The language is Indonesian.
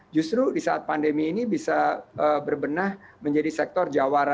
justru di saat pandemi ini bisa berbenah menjadi sektor jawara